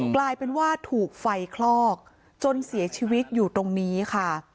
กลายเป็นว่าถูกไฟคลอกจนเสียชีวิตอยู่ตรงนี้ค่ะ